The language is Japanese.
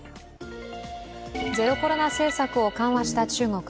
ゼロコロナ政策を緩和した中国。